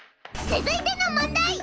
続いての問題！